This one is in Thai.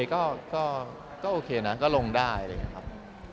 ก็โอเคนะก็ลงได้เลยครับ